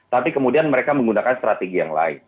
tapi kemudian mereka menggunakan strategi yang lain